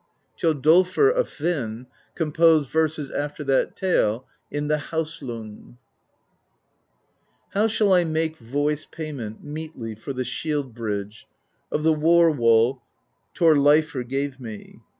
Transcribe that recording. Thjodolfr of Hvin composed verses after that tale in the Haustlbng: How shall I make voice payment Meetly for the shield bridge ••••••• Of the war wall Thorleifr gave me?